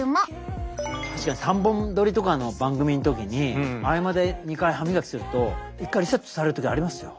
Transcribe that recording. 確かに３本撮りとかの番組の時に合間で２回歯磨きすると一回リセットされる時ありますよ。